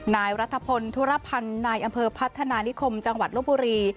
นายรัฐพลธุรพันธ์นายอำเภอพัฒนานิคมจังหวัดลบบุรี